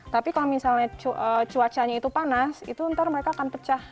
tapi kalau misalnya cuacanya itu panas itu nanti mereka akan pecah